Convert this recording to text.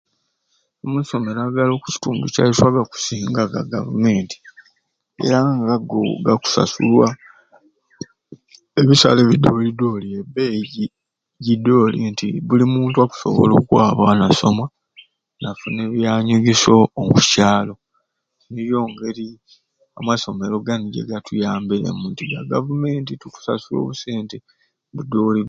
Amasomero agali okukitundu kyaiswe agakusinga ga gavumenti era gaku gakusasulwa ebisale ebidoolidooli ebbeeyi gi gidooli nti buli muntu akusobola okwaba n'asoma nafuna ebyanyegesya oku kyalo niyo ngeri amasomero gani gigatuyambiremu nti gavumenti tukusasula obusente budyooli.